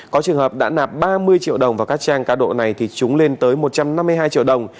có trường hợp đã nạp ba mươi triệu đồng vào các trang cá độ này thì chúng lên tới một trăm năm mươi hai triệu đồng